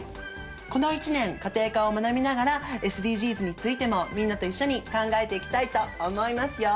この１年家庭科を学びながらＳＤＧｓについてもみんなと一緒に考えていきたいと思いますよ。